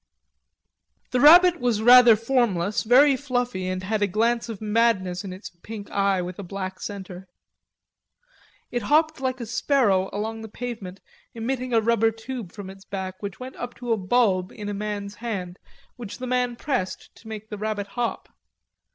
The rabbit was rather formless, very fluffy and had a glance of madness in its pink eye with a black center. It hopped like a sparrow along the pavement, emitting a rubber tube from its back, which went up to a bulb in a man's hand which the man pressed to make the rabbit hop.